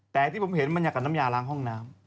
แต่ที่ผมเห็นมันอยากกับน้ำยาล้างห้องน้ำ